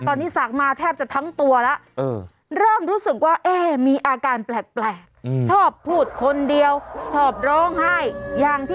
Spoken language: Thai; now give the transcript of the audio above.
ตอนนี้ศักดิ์มาแทบจะทั้งตัวแล้วเริ่มรู้สึกว่ามีอาการแปลกชอบพูดคนเดียวชอบร้องไห้อย่างที่